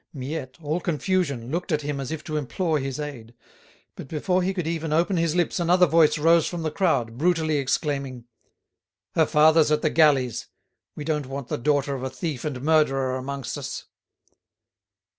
Miette, all confusion, looked at him as if to implore his aid. But before he could even open his lips another voice rose from the crowd, brutally exclaiming: "Her father's at the galleys; we don't want the daughter of a thief and murderer amongst us."